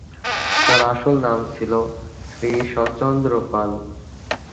তার আসল নাম ছিল শ্রীশচন্দ্র পাল।